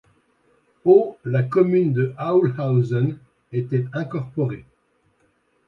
Au la commune de Aulhausen était incorporée.